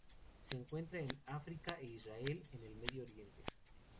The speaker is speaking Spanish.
Se encuentra en África e Israel en el Medio Oriente.